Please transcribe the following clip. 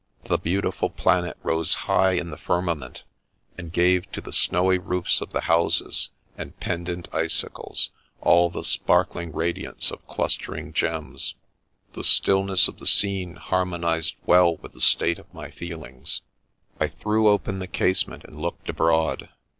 The beautiful planet rose high in the firmament, and gave to the snowy roofs of the houses, and pendant icicles, all the sparkling radiance of clustering gems. The stillness of the scene har monized well with the state of my feelings. I threw open the 128 SINGULAR PASSAGE IN THE LIFE OF casement and looked abroad.